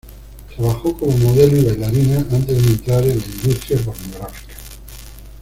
Trabajó como modelo y bailarina antes de entrar en la industria pornográfica.